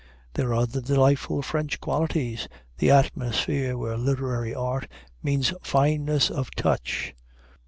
There are the delightful French qualities, the atmosphere where literary art means fineness of touch.